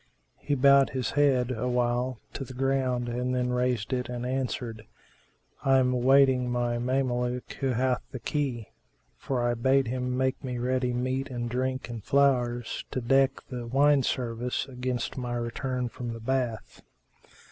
He bowed his head awhile to the ground then raised it and answered, "I am awaiting my Mameluke who hath the key; for I bade him make me ready meat and drink and flowers, to deck the wine service against my return from the bath."